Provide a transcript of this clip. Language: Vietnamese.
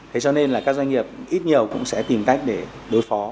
thế cho nên là các doanh nghiệp ít nhiều cũng sẽ tìm cách để đối phó